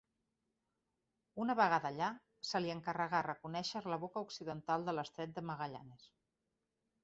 Una vegada allà se li encarregà reconèixer la boca occidental de l'estret de Magallanes.